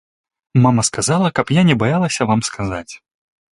Мама сказала, каб я не баялася вам сказаць.